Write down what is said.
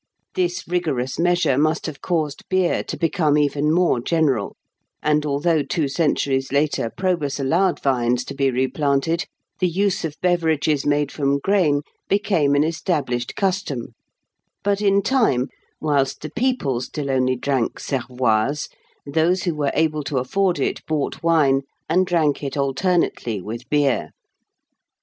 This rigorous measure must have caused beer to become even more general, and, although two centuries later Probus allowed vines to be replanted, the use of beverages made from grain became an established custom; but in time, whilst the people still only drank cervoise, those who were able to afford it bought wine and drank it alternately with beer.